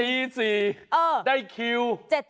ตี๔ได้คิว